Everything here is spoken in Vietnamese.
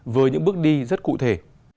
với những bước đi rất cụ thể